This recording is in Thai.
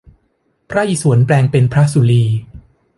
พระอิศวรแปลงเป็นพระศุลี